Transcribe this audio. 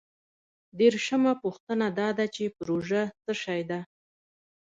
دیرشمه پوښتنه دا ده چې پروژه څه شی ده؟